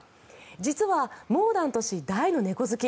実はモーダント氏、大の猫好き。